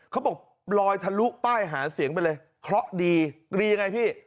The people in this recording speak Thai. เขาบอกลอยทะลุป้ายหาเสียงไปเลยเคราะห์ดีรียังไงพี่